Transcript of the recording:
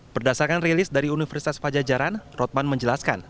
berdasarkan rilis dari universitas pajajaran rotman menjelaskan